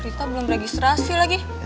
rita belum registrasi lagi